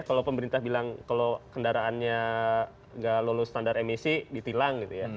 kalau pemerintah bilang kalau kendaraannya nggak lolos standar emisi ditilang gitu ya